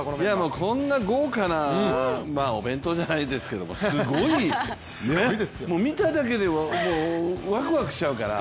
こんな豪華なお弁当じゃないですけどもすごい、見ただけでワクワクしちゃうから。